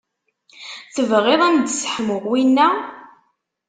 Tebɣiḍ ad m-d-sseḥmuɣ winna?